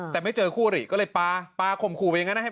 แต่ไม่เจอคู่หรี่ก็เลยปลาปลาข่มขู่ไปอย่างนั้นนะครับ